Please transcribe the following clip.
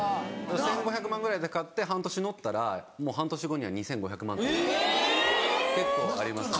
１５００万ぐらいで買って半年乗ったらもう半年後には２５００万とか結構ありますね。